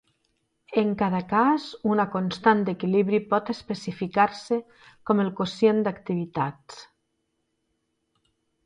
En cada cas una constant d'equilibri pot especificar-se com el quocient d'activitats.